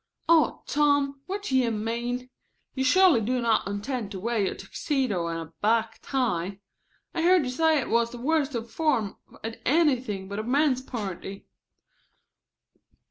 "Oh, Tom, what do you mean? You surely do not intend to wear your tuxedo and a black tie. I heard you say it was the worst of form at anything but a men's party."